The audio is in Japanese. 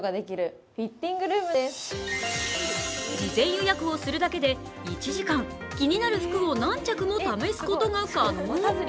事前予約をするだけで１時間、気になる服を何着も試すことが可能。